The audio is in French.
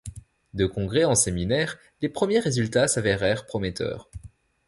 De congrès en séminaires, les premiers résultats s'avérèrent prometteurs.